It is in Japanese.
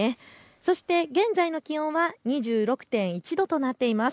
そして現在の気温は２６．１度となっています。